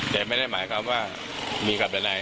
แต่ไม่ได้หมายความว่ามีกับใด